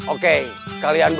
aku mau ke sana